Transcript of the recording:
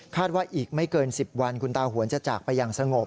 ว่าอีกไม่เกิน๑๐วันคุณตาหวนจะจากไปอย่างสงบ